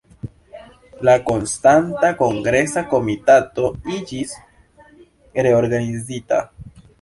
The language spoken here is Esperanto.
La Konstanta Kongresa Komitato iĝis reorganizita.